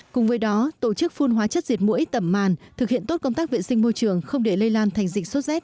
cùng với đó tổ chức phun hóa chất diệt mũi tẩm màn thực hiện tốt công tác vệ sinh môi trường không để lây lan thành dịch sốt z